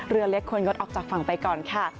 เรือเล็กควรงดออกจากฝั่งไปก่อนค่ะ